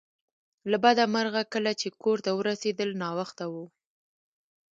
له بده مرغه کله چې کور ته ورسیدل ناوخته و